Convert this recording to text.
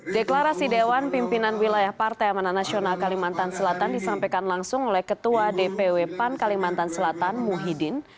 deklarasi dewan pimpinan wilayah partai amanah nasional kalimantan selatan disampaikan langsung oleh ketua dpw pan kalimantan selatan muhyiddin